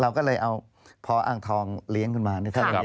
เราก็เลยเอาพออ่างทองเลี้ยงขึ้นมา